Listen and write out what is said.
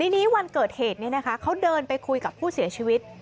ทีนี้วันเกิดเหตุเขาเดินไปคุยกับผู้เสียชีวิต